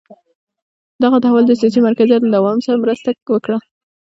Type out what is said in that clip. دغه تحول د سیاسي مرکزیت له دوام سره مرسته وکړه.